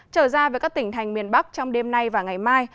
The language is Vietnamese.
trở ra với các tỉnh thành miền bắc trong đêm nay và ngày mai